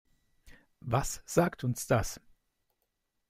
Was sagt uns das?